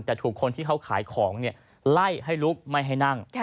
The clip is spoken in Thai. แต่ถูกคนที่เขาขายของไล่ให้ลุกไม่ให้นั่ง